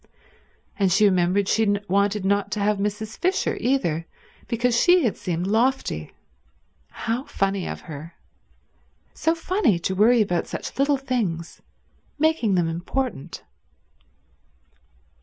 And she remembered she had wanted not to have Mrs. Fisher either, because she had seemed lofty. How funny of her. So funny to worry about such little things, making them important.